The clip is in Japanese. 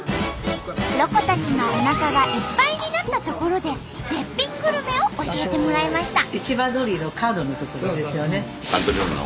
ロコたちのおなかがいっぱいになったところで絶品グルメを教えてもらいました。